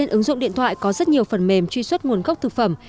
ứng dụng điện thoại có rất nhiều phần mềm truy xuất nguồn gốc thực phẩm